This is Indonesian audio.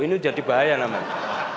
ini jadi bahaya namanya